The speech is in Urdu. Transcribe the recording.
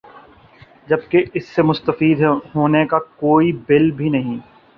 جبکہ اس سے مستفید ہونے کا کوئی بل بھی نہیں